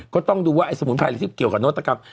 ก็ต้องดูว่าไอ้สมุนไพรหรือที่เกี่ยวกับนวัตกรรม